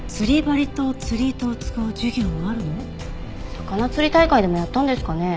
魚釣り大会でもやったんですかね？